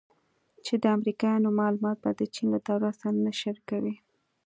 چې د امریکایانو معلومات به د چین له دولت سره نه شریکوي